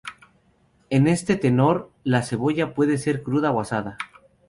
En este tenor, la cebolla puede ser cruda o asada.